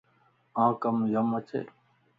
آن ڪم يم اچي؟